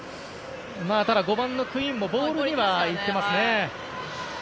５番のクインもボールにいってますね。